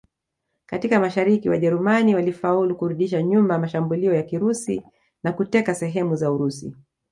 Katika Mashariki Wajerumani walifaulu kurudisha nyuma mashambulio ya Kirusi na kuteka sehemu za Urusi